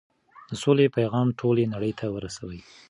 د سولې پيغام ټولې نړۍ ته ورسوئ.